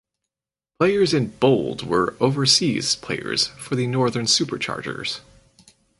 Players in Bold were overseas players for the Northern Superchargers.